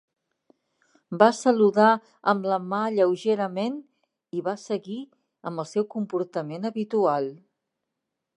Va saludar amb la mà lleugerament i va seguir amb el seu comportament habitual.